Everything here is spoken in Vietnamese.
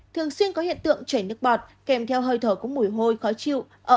thường xuyên có hiện tượng chảy nước bọt kèm theo hơi thở cũng mùi hôi khó chịu